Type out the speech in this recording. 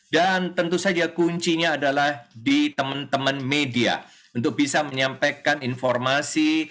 dan tentu saja kuncinya adalah di teman teman media untuk bisa menyampaikan informasi